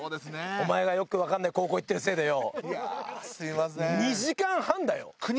お前がよくわかんない高校行ってるせいでよ。